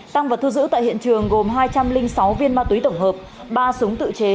tăng vật thu giữ tại hiện trường gồm hai trăm linh sáu viên ma túy tổng hợp ba súng tự chế